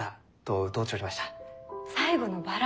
最後のバラ？